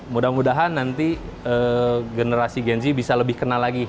mudah mudahan nanti generasi gen z bisa lebih kenal lagi